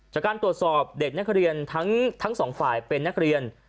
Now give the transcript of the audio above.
จากการตรวจสอบเด็กนักเรียนทั้งสองฝ่ายเป็นนักเรียน